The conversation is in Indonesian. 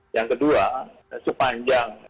yang kedua sepanjang